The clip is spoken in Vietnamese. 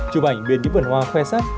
chụp ảnh biến những vườn hoa khoe sắt